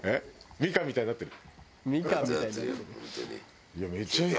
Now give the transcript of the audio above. みかんみたいになってる？